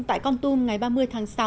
tại con tung ngày ba mươi tháng sáu